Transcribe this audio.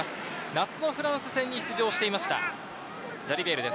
夏のフランス戦に出場していました。